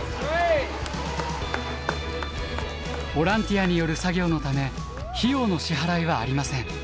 ボランティアによる作業のため費用の支払いはありません。